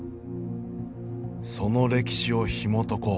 その歴史をひもとこう。